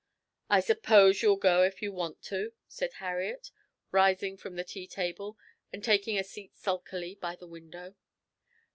"I suppose you'll go if you want to." said Harriet, rising from the tea table, and taking a seat sulkily by the window.